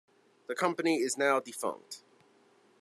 The company is now defunct.